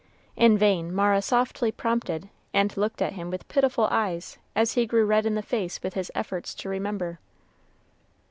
In vain Mara softly prompted, and looked at him with pitiful eyes as he grew red in the face with his efforts to remember.